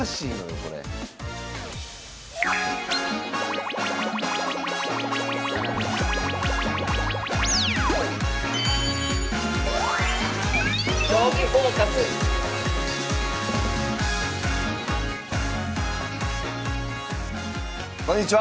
これこんにちは。